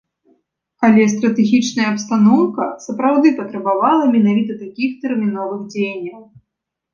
Але стратэгічная абстаноўка сапраўды патрабавала менавіта такіх тэрміновых дзеянняў.